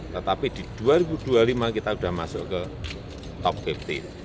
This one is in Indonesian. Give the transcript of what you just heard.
tetapi di dua ribu dua puluh lima kita sudah masuk ke top lima puluh